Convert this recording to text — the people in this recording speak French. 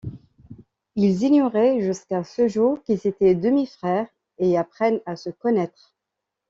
Ils ignoraient jusqu'à ce jour qu'ils étaient demi-frères, et apprennent à se connaître.